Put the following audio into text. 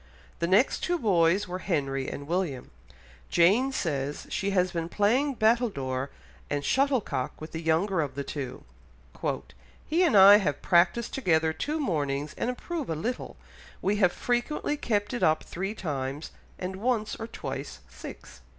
The next two boys were Henry and William; Jane says, she has been playing battledore and shuttlecock with the younger of the two, "he and I have practised together two mornings, and improve a little; we have frequently kept it up three times, and once or twice six."